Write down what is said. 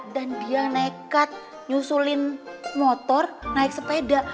dan dia nekat nyusulin motor naik sepeda